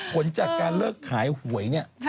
ผลจากการเลิกขายหวยเนี่ย